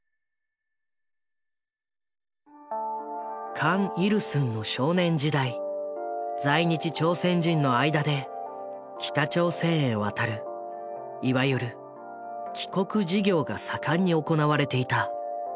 カン・イルスンの少年時代在日朝鮮人の間で北朝鮮へ渡るいわゆる「帰国事業」が盛んに行われていた。